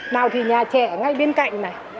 nào thì nhà trẻ ngay bên cạnh này